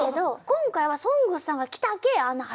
今回は「ＳＯＮＧＳ」さんが来たけあんな